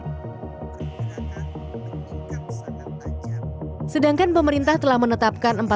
sedangkan pemerintah telah menetapkan empat sektor yang mendapatkan anggaran sebesar enam enam puluh lima triliun rupiah